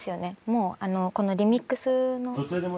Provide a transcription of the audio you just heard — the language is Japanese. もうこのリミックスの。